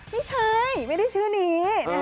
ไม่ใช่ไม่ได้ชื่อนี้